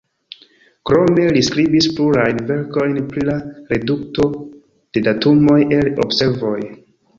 Krome, li skribis plurajn verkojn pri la redukto de datumoj el observoj.